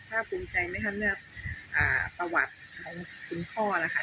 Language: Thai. ค่ะภูมิใจไหมคะเนื้ออ่าประวัติของคุณพ่อแหละค่ะ